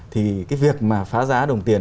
thì cái việc mà phá giá đồng tiền